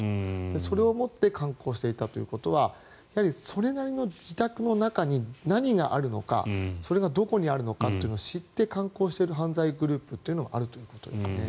それをもって敢行していたということはそれなりの自宅の中に何があるのかそれがどこにあるのかを知って敢行している犯罪グループがあるということですね。